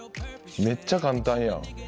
めっちゃ簡単やん。